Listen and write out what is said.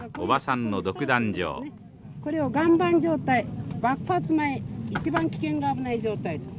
これを岩盤状態爆発前一番危険で危ない状態です。